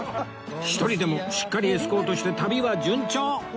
一人でもしっかりエスコートして旅は順調！